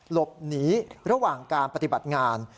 หลบหนีระหว่างการปฏิบัติงาน